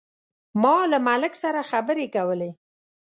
ما له ملک صاحب سره خبرې کولې.